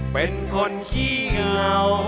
เป็นคนขี้เหงา